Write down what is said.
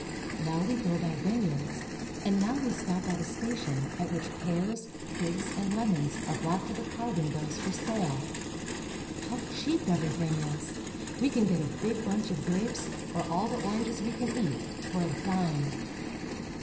Now we go by vineyards, and now we stop at a station, at which pears, Ii6 CHILE. Transandine Railroad. figs, and lemons are brought to the car windows for sale. How cheap everything is! We can get a big bunch of grapes, or all the oranges we can eat, for a dime.